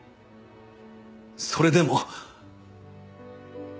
それでも。